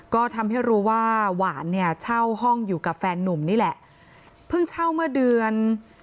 ก็ทำให้รู้ว่าหวานเนี่ยเช่าห้องอยู่กับแฟนนุ่มนี่แหละเพิ่งเช่าเมื่อเดือน